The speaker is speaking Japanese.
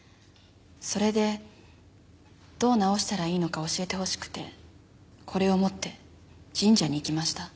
それでどう直したらいいのか教えてほしくてこれを持って神社に行きました。